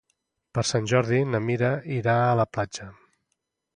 Per Sant Jordi na Mira irà a la platja.